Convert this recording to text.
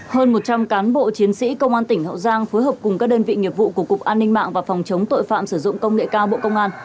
hơn một trăm linh cán bộ chiến sĩ công an tỉnh hậu giang phối hợp cùng các đơn vị nghiệp vụ của cục an ninh mạng và phòng chống tội phạm sử dụng công nghệ cao bộ công an